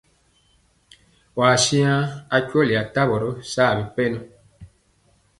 Waa siŋa kyɔli atavɔ yɔ saa bipɛnɔ.